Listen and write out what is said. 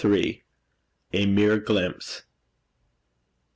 A MERE GLIMPSE.